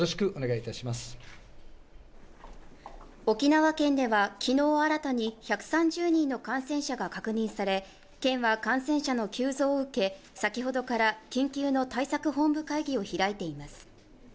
沖縄県ではきのう新たに１３０人の感染者が確認され県は感染者の急増を受け先ほどから緊急の対策本部会議を開いています